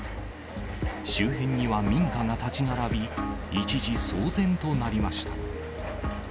周辺には民家が建ち並び、一時、騒然となりました。